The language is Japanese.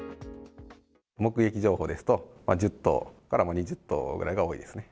目撃情報ですと、１０頭から２０頭ぐらいが多いですね。